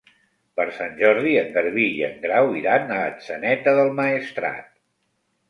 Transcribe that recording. Per Sant Jordi en Garbí i en Grau iran a Atzeneta del Maestrat.